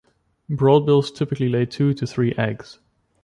Broadbills typically lay two to three eggs.